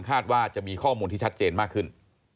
ว่าจะมีข้อมูลที่ชัดเจนมากขึ้น